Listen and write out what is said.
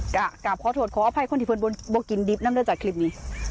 กลับขอโทษขออภัยคนที่เพื่อนบนกินดิบนั้นได้จากคลิปนี้